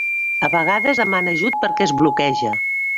A vegades demana ajut perquè es bloqueja.